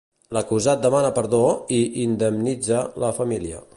L'acusat demana perdó i indemnitza la família.